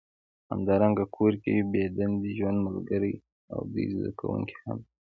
همدارنګه کور کې بې دندې ژوند ملګری او دوه زده کوونکي هم وي